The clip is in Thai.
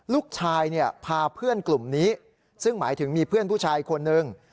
ลูกชายเนี่ยพาเพื่อนกลุ่มนี้ซึ่งหมายถึงมีเพื่อนผู้ชายคนหนึ่ง